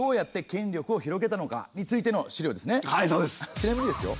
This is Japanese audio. ちなみにですよ